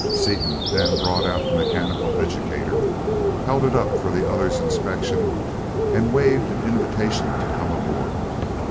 Seaton then brought out the mechanical educator, held it up for the other's inspection, and waved an invitation to come aboard.